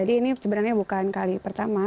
ini sebenarnya bukan kali pertama